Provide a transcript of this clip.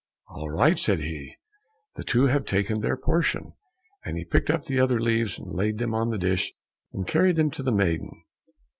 "All right," said he, "the two have taken their portion," and he picked up the other leaves, laid them on the dish, and carried them to the maiden.